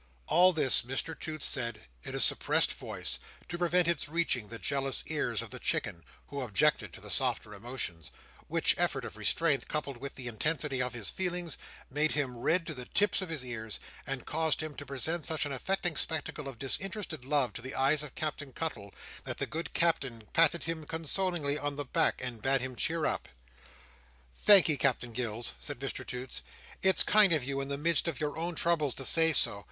All this, Mr Toots said in a suppressed voice, to prevent its reaching the jealous ears of the Chicken, who objected to the softer emotions; which effort of restraint, coupled with the intensity of his feelings, made him red to the tips of his ears, and caused him to present such an affecting spectacle of disinterested love to the eyes of Captain Cuttle, that the good Captain patted him consolingly on the back, and bade him cheer up. "Thankee, Captain Gills," said Mr Toots, "it's kind of you, in the midst of your own troubles, to say so.